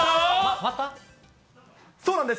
そうなんです。